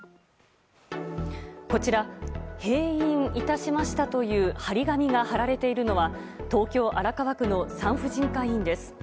こちら、「閉院いたしました」という貼り紙が張られているのは東京・荒川区の産婦人科医院です。